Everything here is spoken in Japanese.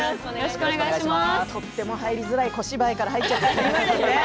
とても入りづらい小芝居から入っちゃって、すみませんね。